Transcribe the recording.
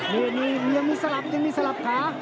มีมีมีมีสลับตึงมีสลับขา